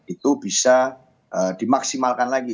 itu bisa dimaksimalkan lagi